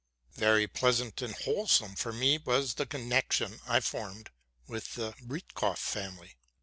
Very pleasant and wholesome for me was the connection I formed with the Breitkopf family.